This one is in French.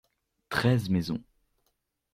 Treize maisons.